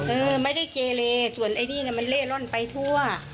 เออไม่ได้เกเลส่วนไอ้นี่น่ะมันเล่ร่อนไปทั่ว